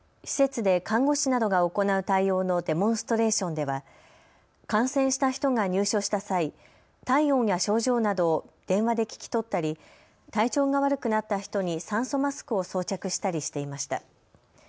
施設で看護師などが行う対応のデモンストレーションでは感染した人が入所した際、体温や症状などを電話で聞き取ったり体調が悪くなった人に酸素マスクを装着したりしていました。